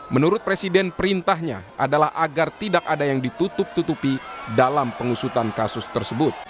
menurut presiden perintahnya adalah agar tidak ada yang ditutup tutupi dalam pengusutan kasus tersebut